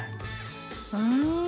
うん。